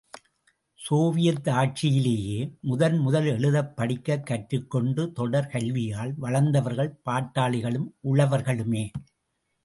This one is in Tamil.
சோவியத் ஆட்சியிலேயே, முதல் முதல் எழுதப் படிக்கக் கற்றுக்கொண்டு தொடர் கல்வியால் வளர்ந்தவர்கள் பாட்டாளிகளும் உழவர்களுமே.